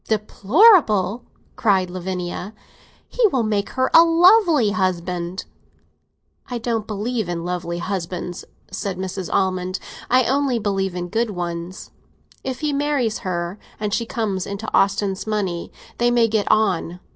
"Deplorable?" cried Lavinia. "He will make her a lovely husband!" "I don't believe in lovely husbands," said Mrs. Almond; "I only believe in good ones. If he marries her, and she comes into Austin's money, they may get on.